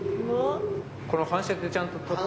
この反射でちゃんと入る？